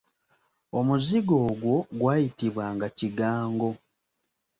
Omuzigo ogwo gwayitibwanga "Kigango".